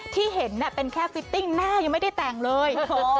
ที่เห็นเป็นแค่ฟิตติ้งหน้ายังไม่ได้แต่งเลย